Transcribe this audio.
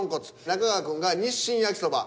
中川くんが「日清焼そば」。